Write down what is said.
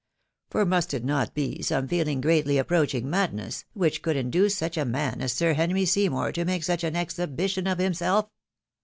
For must it not be some feeling greatly ap proaching madness, which could induce such a man as Sir Henry Seymour to make such an exhibition of himself?